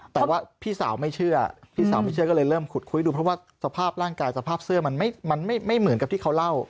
แต่ว่าพี่สาวไม่เชื่อพี่สาวไม่เชื่อก็เลยเริ่มขุดคุยดูเพราะว่าสภาพร่างกายสภาพเสื้อมันไม่เหมือนกับที่เขาเล่า